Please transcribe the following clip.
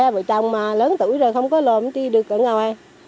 vợ chồng lớn tuổi rồi không có lộn đi được ở ngoài